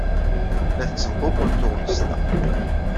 La tettenququl tuɣmest-a.